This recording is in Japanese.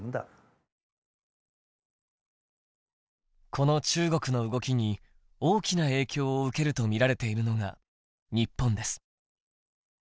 この中国の動きに大きな影響を受けると見られているのが日本です。